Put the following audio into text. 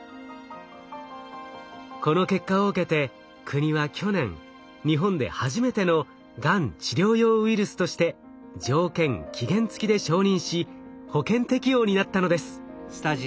この結果を受けて国は去年日本で初めてのがん治療用ウイルスとして条件・期限付きで承認し保険適用になったのです。